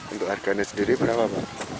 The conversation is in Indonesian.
untuk harganya sendiri berapa pak